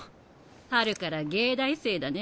春から藝大生だね。